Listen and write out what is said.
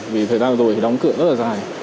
vì thời gian vừa rồi thì đóng cửa rất là dài